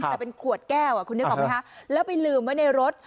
แต่เป็นขวดแก้วคุณนึกออกไหมคะแล้วไปลืมไว้ในรถ